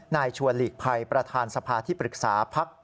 ชัวร์หลีกภัยประธานสภาที่ปรึกษาพัก